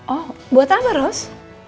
oh buat apa ros